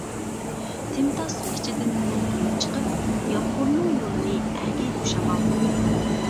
تىمتاسلىق ئىچىدىن يۇلقۇنۇپ چىقىپ، يامغۇرنىڭ يولىنى ئەگىيدۇ شامال.